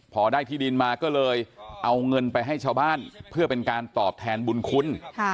พอได้ที่ดินมาก็เลยเอาเงินไปให้ชาวบ้านเพื่อเป็นการตอบแทนบุญคุณ